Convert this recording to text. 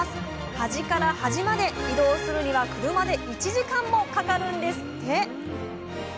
端から端まで移動するには車で１時間もかかるんですって。